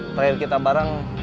pria kita bareng